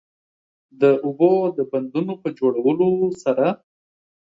د اوبو د بندونو په جوړولو سره